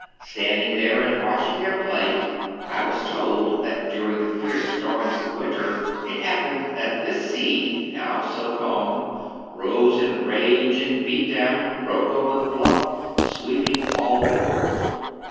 Standing there and watching their play, I was told that during the fierce storms of winter it happened that this sea, now so calm, rose in rage and beat down, brake over the bluff, sweeping all before it.